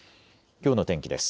きょうの天気です。